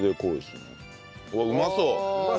うまそう。